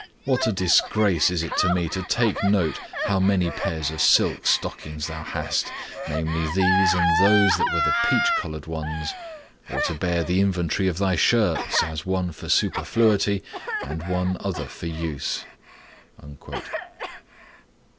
What a disgrace is it to me to take note how many pairs of silk stockings thou hast, namely, these and those that were the peach colored ones; or to bear the inventory of thy shirts, as one for superfluity, and one other for use!"